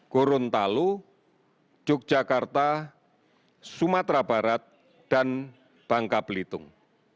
gorontalo yogyakarta sumatera barat dan bangka belitung